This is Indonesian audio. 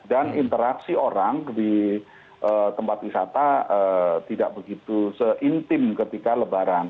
interaksi orang di tempat wisata tidak begitu seintim ketika lebaran